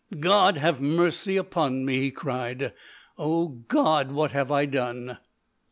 "God have mercy upon me!" he cried. "O God! what have I done?"